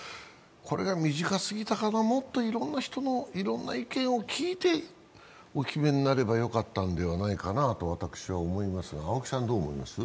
これが短すぎたかな、もっといろいろな人のいろいろな意見を聞いてお決めになればよかったんではないかなと私は思いますが、青木さん、どう思います？